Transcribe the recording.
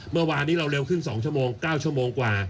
เมื่อวานนี้เราเร็วขึ้น๒ชั่วโมง๙ชั่วโมงกว่า